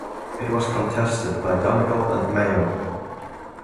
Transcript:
It was contested by Donegal and Mayo.